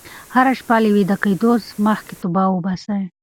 هره شپه له ویده کېدو مخکې توبه وباسئ.